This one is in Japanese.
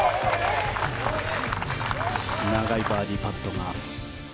長いバーディーパットが。